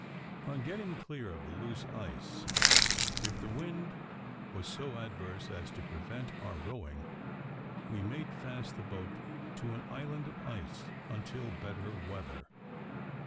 On getting clear of the loose ice, if the wind was so adverse as to prevent our rowing, we made fast the boat to an island of ice until better weather.